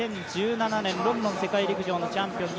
２０１７年ロンドン世界陸上のチャンピオン